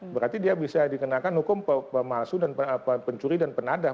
berarti dia bisa dikenakan hukum pemalsu dan pencuri dan penadah